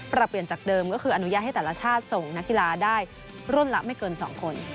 เปลี่ยนจากเดิมก็คืออนุญาตให้แต่ละชาติส่งนักกีฬาได้รุ่นละไม่เกิน๒คน